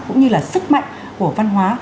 cũng như là sức mạnh của văn hóa